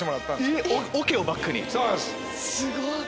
すごい！